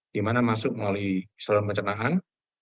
di mana masuk melalui saluran pencernaan